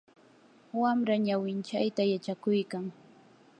wamra ñawinchayta yachakuykan.